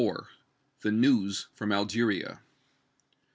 THE NEWS FROM ALGERIA.